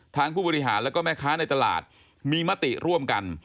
ผู้บริหารแล้วก็แม่ค้าในตลาดมีมติร่วมกัน